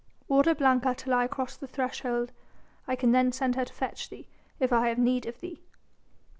"Order Blanca to lie across the threshold. I can then send her to fetch thee, if I have need of thee."